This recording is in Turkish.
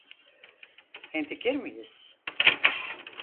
Hemfikir miyiz?